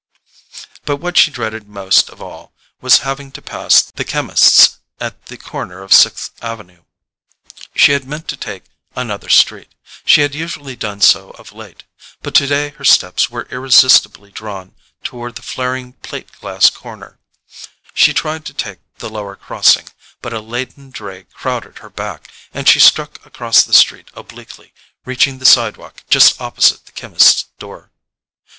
But what she dreaded most of all was having to pass the chemist's at the corner of Sixth Avenue. She had meant to take another street: she had usually done so of late. But today her steps were irresistibly drawn toward the flaring plate glass corner; she tried to take the lower crossing, but a laden dray crowded her back, and she struck across the street obliquely, reaching the sidewalk just opposite the chemist's door.